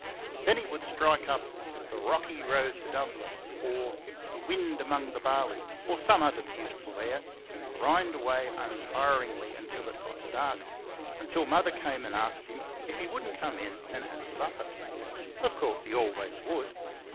Then he would strike up "The Rocky Road to Dublin", or "The Wind Among the Barley,", or some other beautiful air, and grind away untiringly until it got dark until mother came and asked him if he would n't come in and have supper. Of course, he always would.